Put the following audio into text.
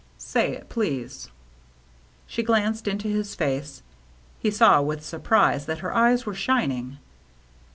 " Say it, please." She glanced into his face. He saw with sur prise that her eyes were shining.